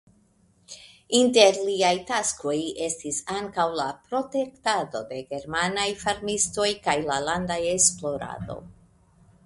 Inter liaj taskoj estis ankaŭ la protektado de germanaj farmistoj kaj la landa esplorado.